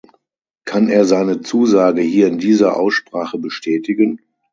Kann er seine Zusage hier in dieser Aussprache bestätigen?